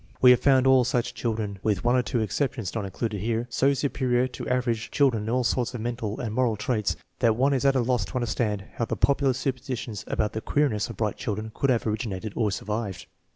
We have found all such children (with one or two exceptions not included here) so superior to average children in all sorts of mental and moral traits INTELLIGENCE QUOTIENT SIGNIFICANCE 101 that one is at a loss to understand how the popular super stitions about the " queerness " of bright children could have originated or survived.